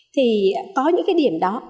thì có những cái điểm đó